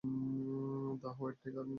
The White tiger.